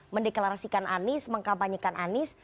mendeklarasikan anies mengkampanyekan anies